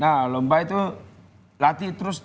nah lomba itu latih terus